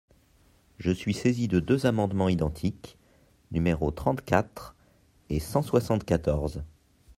Je suis saisi de deux amendements identiques, numéros trente-quatre et cent soixante-quatorze.